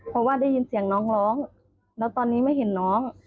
เพราะว่าได้ยินเสียงน้องร้องแล้วตอนนี้ไม่เห็นน้อง